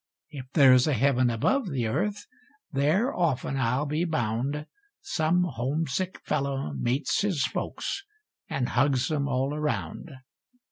If there's a heaven above the earth, there often, I'll be bound, Some homesick fellow meets his folks, and hugs 'em all around.